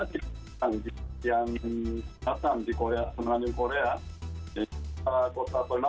adalah hari ribu nasional di korea dari mana keluarga yang tinggal berjauhan berkumpul di